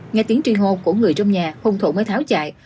nghe tiếng truy hô của người trong nhà hung thủ mới tháo chạy